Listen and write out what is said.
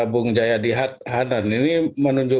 bung jayadi hanan